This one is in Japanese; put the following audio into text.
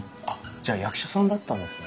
じゃあ役者さんだったんですね？